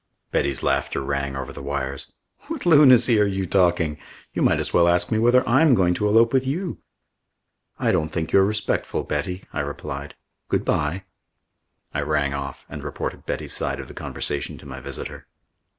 Betty's laughter rang over the wires. "What lunacy are you talking? You might as well ask me whether I'm going to elope with you." "I don't think you're respectful, Betty," I replied. "Good bye." I rang off and reported Betty's side of the conversation to my visitor.